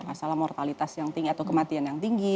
masalah mortalitas yang tinggi atau kematian yang tinggi